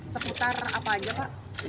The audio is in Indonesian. seputar apa aja pak